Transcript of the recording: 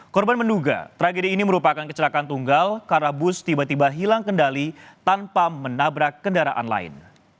korban menduga tragedi ini merupakan kecelakaan tunggal karena bus tiba tiba hilang kendali tanpa menabrak kendaraan lain